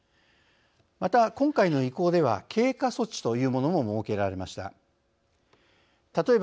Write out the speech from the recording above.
また今回の移行では経過措置というものも設けられました。